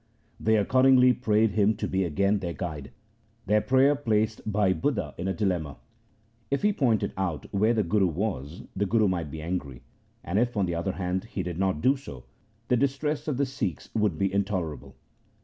They accordingly prayed him to be again their guide. Their prayer placed Bhai Budha in a dilemma. If he pointed out where the Guru was, the Guru might be angry ; and if, on the other hand, he did not do so, the distress of the Sikhs would be intolerable.